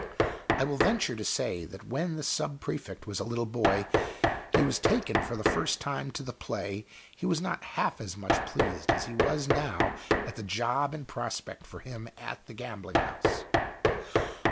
I will venture to say that when the Sub prefect was a little boy, and was taken for the first time to the play, he was not half as much pleased as he was now at the job in prospect for him at the gambling house!